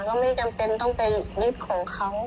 ก็ไม่จำเป็นต้องไปยึดของเขา